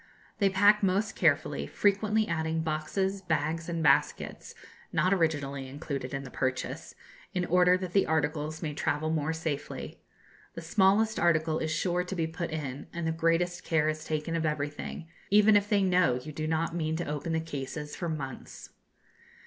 They pack most carefully, frequently adding boxes, bags, and baskets, not originally included in the purchase, in order that the articles may travel more safely. The smallest article is sure to be put in, and the greatest care is taken of everything, even if they know you do not mean to open the cases for months.